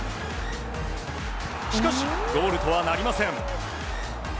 しかし、ゴールとはなりません。